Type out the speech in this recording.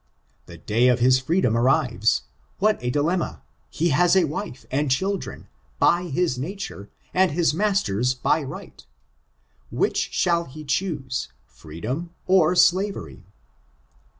The day of his freedom arrives! What a dilemma! He has a wife, and children; his by nature, and his master's by right — by a jure divino. Which shall ho choose — freedom or slavery?